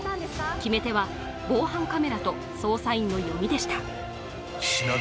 決め手は防犯カメラと捜査員の読みでした。